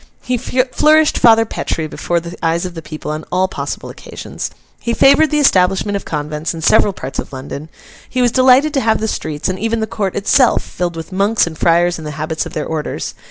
He flourished Father Petre before the eyes of the people on all possible occasions. He favoured the establishment of convents in several parts of London. He was delighted to have the streets, and even the court itself, filled with Monks and Friars in the habits of their orders.